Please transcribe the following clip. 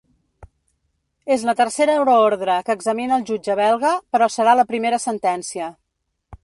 És la tercera euroordre que examina el jutge belga, però serà la primera sentència.